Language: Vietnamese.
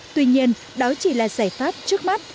tuy nhiên đó chỉ là giải pháp trước mắt